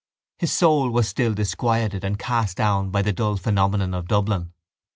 His soul was still disquieted and cast down by the dull phenomenon of Dublin.